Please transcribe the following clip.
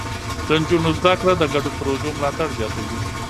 د نجونو زده کړه د ګډو پروژو ملاتړ زياتوي.